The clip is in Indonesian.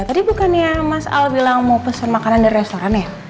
tadi bukannya mas al bilang mau pesen makanan dari restoran ya